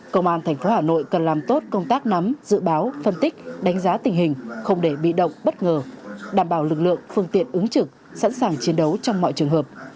công an tp hà nội cần làm tốt công tác nắm dự báo phân tích đánh giá tình hình không để bị động bất ngờ đảm bảo lực lượng phương tiện ứng trực sẵn sàng chiến đấu trong mọi trường hợp